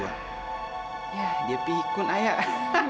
yah dia pikun ayah